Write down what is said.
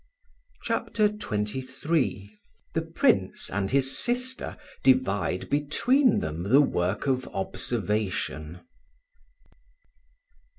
CHAPTER XXIII THE PRINCE AND HIS SISTER DIVIDE BETWEEN THEM THE WORK OF OBSERVATION.